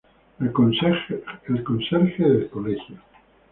El conserje del colegio.